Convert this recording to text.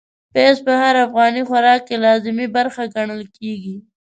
پياز په هر افغاني خوراک کې لازمي برخه ګڼل کېږي.